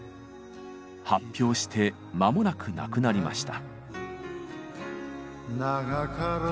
発表して間もなく亡くなりました。